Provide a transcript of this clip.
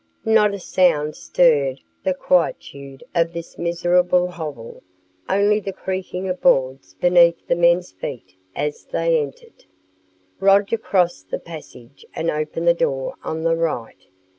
Not a sound stirred the quietude of this miserable hovel, only the creaking of boards beneath the men's feet as they entered. Roger crossed the passage and opened the door on the right.